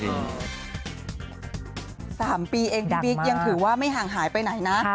สามปีเองพี่บิ๊กยังถือว่าไม่ห่างหายไปไหนนะ